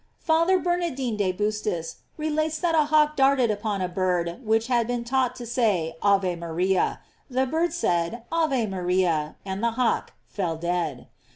* Father Bernardine de Bustis relates that a hawk darted upon a bird which had been taught to say Ave Maria; the bird said Ave Maria, and the hawk fell dead.